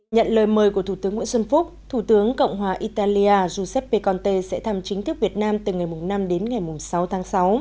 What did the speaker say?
nhận lời mời của thủ tướng nguyễn xuân phúc thủ tướng cộng hòa italia giuseppe conte sẽ thăm chính thức việt nam từ ngày năm đến ngày sáu tháng sáu